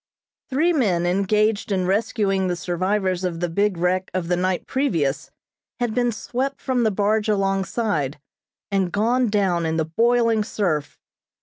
Three men engaged in rescuing the survivors of the big wreck of the night previous, had been swept from the barge alongside, and gone down in the boiling surf.